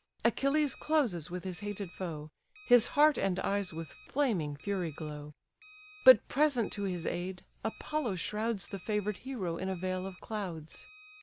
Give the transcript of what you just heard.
Achilles closes with his hated foe, His heart and eyes with flaming fury glow: But present to his aid, Apollo shrouds The favour'd hero in a veil of clouds.